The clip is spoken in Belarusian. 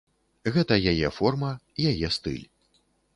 Гэта яе форма, яе стыль.